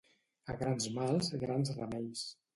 A grans mals grans remeis